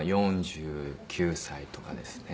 今４９歳とかですね。